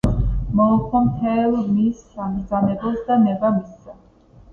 მოუხმო მთელ მის საბრძანებელს და ნება მისცა